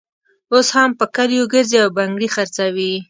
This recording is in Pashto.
اوس هم په کلیو ګرزي او بنګړي خرڅوي.